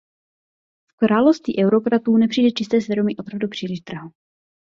V království eurokratů nepřijde čisté svědomí opravdu příliš draho.